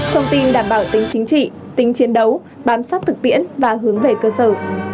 thông tin đảm bảo tính chính trị tính chiến đấu bám sát thực tiễn và hướng về cơ sở